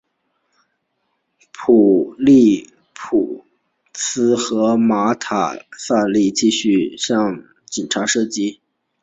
菲利普斯和马塔萨利努继续在银行的前门向警察射击。